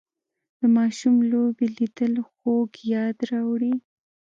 د ماشوم لوبې لیدل خوږ یاد راوړي